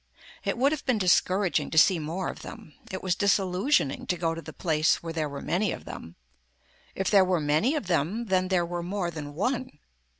It would have been discouraging to see more of them. It was disillusioning to go to the place where there were many of them. If there were many of them then there were more than one.